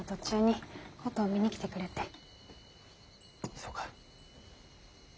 そうか。